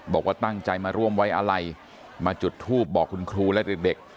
บอกว่าตั้งใจมาร่วมไว้อะไรมาจุดทูปบอกคุณครูและเด็ก